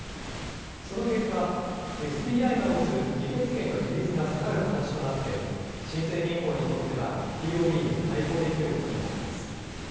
その結果、ＳＢＩが持つ議決権の比率が下がる形となって、新生銀行にとっては、ＴＯＢに対抗できることになります。